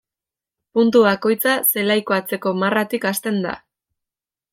Puntu bakoitza zelaiko atzeko marratik hasten da.